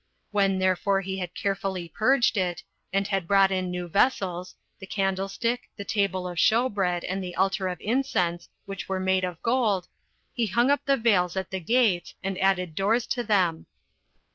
When therefore he had carefully purged it, and had brought in new vessels, the candlestick, the table [of shew bread], and the altar [of incense], which were made of gold, he hung up the veils at the gates, and added doors to them.